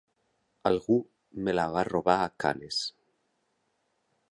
Algú me la va robar a Cannes.